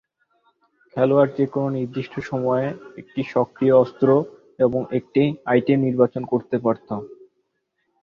খেলোয়াড় যেকোন নির্দিষ্ট সময়ে একটি সক্রিয় অস্ত্র এবং একটি আইটেম নির্বাচন করতে পারত।